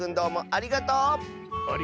ありがとう！